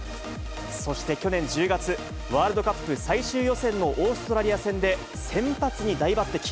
そして去年１０月、ワールドカップ最終予選のオーストラリア戦で、先発に大抜てき。